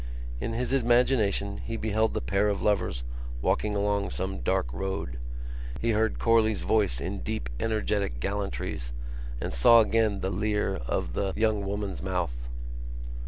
In his imagination he beheld the pair of lovers walking along some dark road; he heard Corley's voice in deep energetic gallantries and saw again the leer of the young woman's mouth.